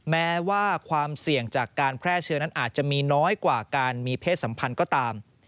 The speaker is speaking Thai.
แม้ว่าความเสี่ยงจากการแพร่เชื้อนั้นอาจจะมีน้อยกว่าการมีเพศสัมพันธ์ก็ตาม